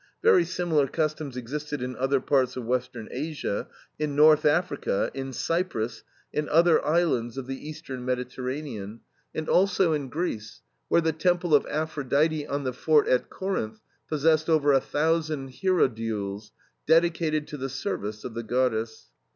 Very similar customs existed in other parts of Western Asia, in North Africa, in Cyprus, and other islands of the Eastern Mediterranean, and also in Greece, where the temple of Aphrodite on the fort at Corinth possessed over a thousand hierodules, dedicated to the service of the goddess.